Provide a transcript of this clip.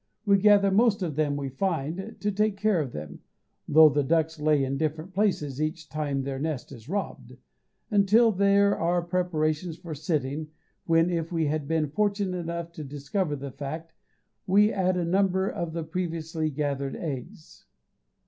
We gather most of them we find, to take care of them (though the ducks lay in different places each time their nest is robbed) until there are preparations for sitting, when, if we have been fortunate enough to discover the fact, we add a number of the previously gathered eggs.